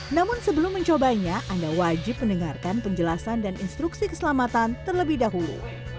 namun sebelum mencobanya anda wajib mendengarkan penjelasan dan instruksi keselamatan terlebih dahulu